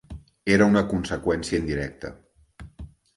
Era una conseqüència indirecta.